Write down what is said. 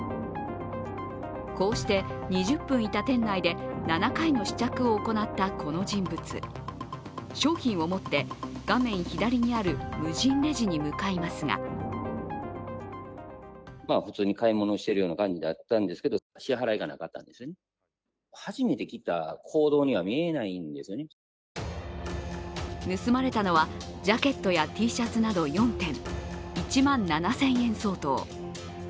こうして２０分いた店内で７着試着を行ったこの人物、商品を持って、画面左にある無人レジに向かいますが盗まれたのはジャケットやＴシャツなど４点、１万７０００円相当。